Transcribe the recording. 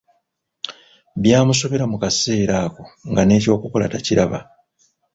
Byamusobera Mu kaseera ako nga n'ekyokukola takiraba.